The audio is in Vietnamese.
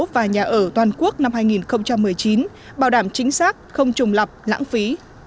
và nhà ở toàn quốc năm hai nghìn một mươi chín bảo đảm chính xác không trùng lập lãng phí